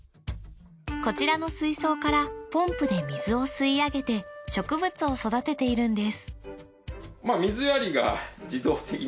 こちらの水槽からポンプで水を吸い上げて植物を育てているんです。